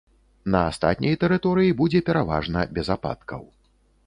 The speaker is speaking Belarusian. На астатняй тэрыторыі будзе пераважна без ападкаў.